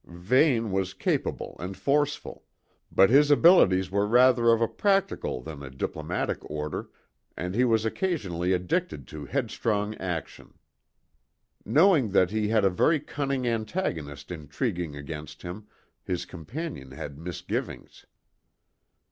Vane was capable and forceful; but his abilities were rather of a practical than a diplomatic order, and he was occasionally addicted to headstrong action. Knowing that he had a very cunning antagonist intriguing against him, his companion had misgivings.